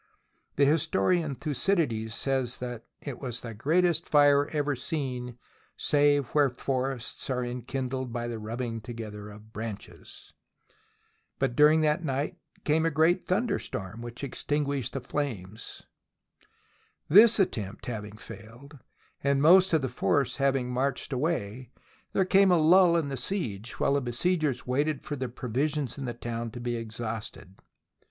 The historian Thucydides says that it was the great est fire ever seen " save where forests are en kindled by the rubbing together of branches." But during that night came a great thunderstorm which extinguished the flames. This attempt having failed, and the most of the force having marched away, there came a lull in the siege, while the besiegers waited for the pro visions in the town to be exhausted.